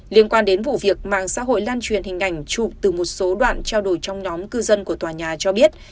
liên quan đến vụ việc mạng xã hội lan truyền hình ảnh chụp từ một số đoạn trao đổi trong nhóm cư dân của tòa nhà cho biết